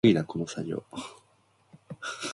He was a member of the Vanderbilt family.